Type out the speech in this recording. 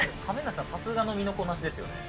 さすがの身のこなしですよね。